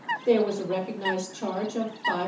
There was a recognized charge of 5_s.